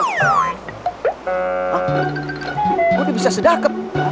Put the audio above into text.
gue udah bisa sedang